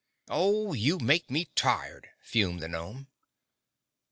"Oh, you make me tired!" fumed the gnome.